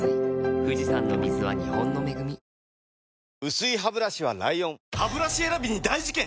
薄いハブラシは ＬＩＯＮハブラシ選びに大事件！